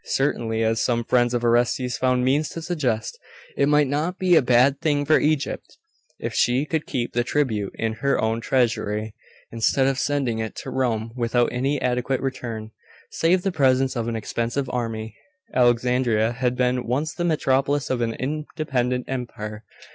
Certainly, as some friends of Orestes found means to suggest, it might not be a bad thing for Egypt, if she could keep the tribute in her own treasury, instead of sending it to Rome without any adequate return, save the presence of an expensive army.... Alexandria had been once the metropolis of an independent empire....